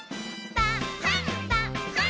「パンパン」